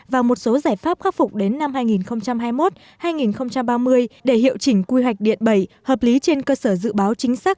và một số giải pháp khắc phục đến năm hai nghìn hai mươi một hai nghìn ba mươi để hiệu chỉnh quy hoạch điện bảy hợp lý trên cơ sở dự báo chính xác